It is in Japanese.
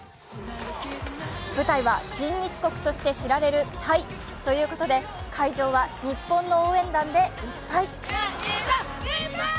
舞台は親日国として知られるタイ。ということで、会場は日本の応援団でいっぱい。